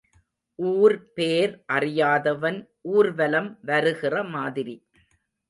ஊர் பேர் அறியாதவன் ஊர்வலம் வருகிற மாதிரி.